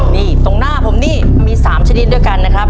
นี่ตรงหน้าผมนี่มี๓ชนิดด้วยกันนะครับ